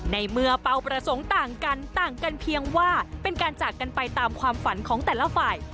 ในเมื่อเป้าประสงค์ต่างกันต่างกันเพียงว่าเป็นการจากกันไปตามความฝันของแต่ละฝ่าย